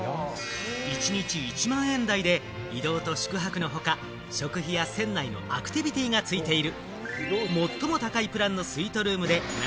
一日１万円台で移動と宿泊の他、食費や船内のアクティビティがついている。